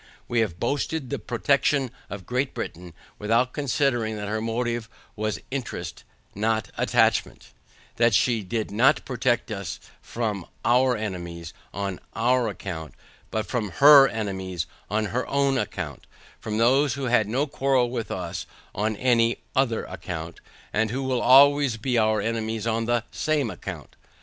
We have boasted the protection of Great Britain, without considering, that her motive was INTEREST not ATTACHMENT; that she did not protect us from OUR ENEMIES on OUR ACCOUNT, but from HER ENEMIES on HER OWN ACCOUNT, from those who had no quarrel with us on any OTHER ACCOUNT, and who will always be our enemies on the SAME ACCOUNT.